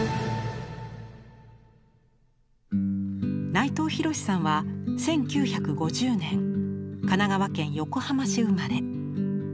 内藤廣さんは１９５０年神奈川県横浜市生まれ。